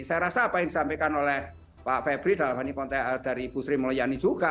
saya rasa apa yang disampaikan oleh pak febri dari ibu sri mulyani juga